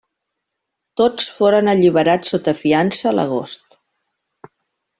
Tots foren alliberats sota fiança l'agost.